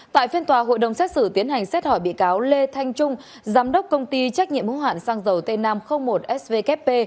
tại phiên tòa hội đồng xét xử tiến hành xét hỏi bị cáo lê thanh trung giám đốc công ty trách nhiệm hô hoạn xăng dầu tnam một svkp